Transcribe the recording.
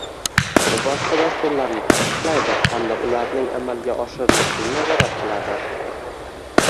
va boshqa dasturlarni tasdiqlaydi hamda ularning amalga oshirilishini nazorat qiladi;